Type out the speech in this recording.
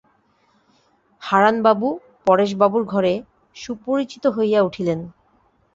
হারানবাবু পরেশবাবুর ঘরে সুপরিচিত হইয়া উঠিলেন।